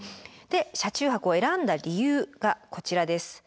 車中泊を選んだ理由がこちらです。